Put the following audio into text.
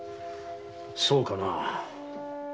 そうかな？